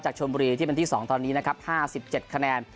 จากชมบุรีที่เป็นที่สองตอนนี้นะครับห้าสิบเจ็ดคะแนน